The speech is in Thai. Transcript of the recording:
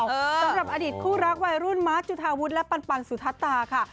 สำหรับอดีตคู่รักวัยรุ่นมาร์คจุธาวุฒิและปันสุธัตตาค่ะ